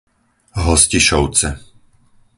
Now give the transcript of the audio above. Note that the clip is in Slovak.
Hostišovce